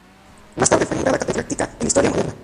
Y más tarde fue nombrada catedrática en Historia Moderna.